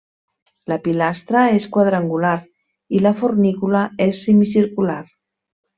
La pilastra és quadrangular i la fornícula és semicircular.